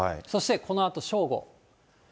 そしてこのあと正午。